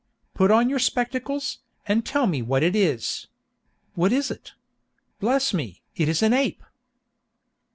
Put on your spectacles, and tell me what it is. What is it? "Bless me! it is an ape!"